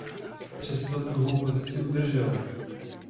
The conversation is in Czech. Přesto druhou pozici udržel.